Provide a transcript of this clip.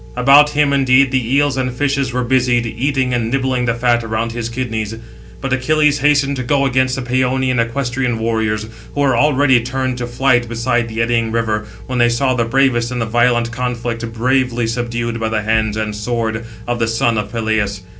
About him, indeed, the eels and fishes were busied, eating [and] nibbling the fat around his kidneys. But he (Achilles) hastened to go against the Pæonian equestrian warriors, who were already turned to flight beside the eddying river, when they saw the bravest in the violent conflict bravely subdued by the hands and sword of the son of Peleus.